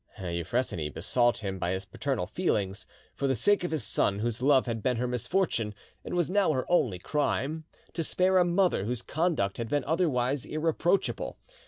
Euphrosyne besought him by his paternal feelings, for the sake of his son whose love had been her misfortune and was now her only crime, to spare a mother whose conduct had been otherwise irreproachable.